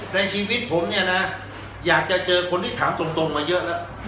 ในชีวิตผมเนี่ยนะอยากจะเจอคนที่ถามตรงมาเยอะแล้ว